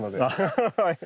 ハハハハ！